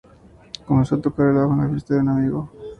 Comenzó a tocar el bajo en la fiesta de un amigo.